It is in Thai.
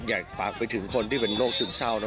อยากฝากไปถึงคนที่เป็นโรคซึมเศร้านะ